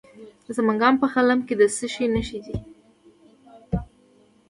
د سمنګان په خلم کې د څه شي نښې دي؟